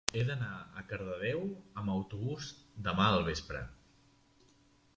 He d'anar a Cardedeu amb autobús demà al vespre.